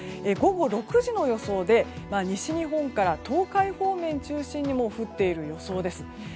午後６時の予想で西日本から東海方面を中心にもう降っている予想です。